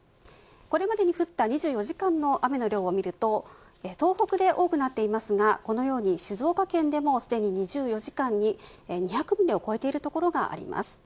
これまでに降った２４時間の雨の量を見ると東北で多くなっていますがこのように静岡県でもすでに２４時間に２００ミリを超えている所があります。